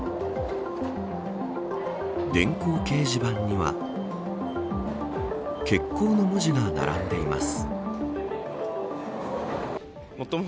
電光掲示板には欠航の文字が並んでいます。